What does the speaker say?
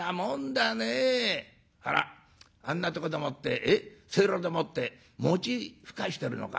あらあんなとこでもってせいろでもって餅ふかしてるのか。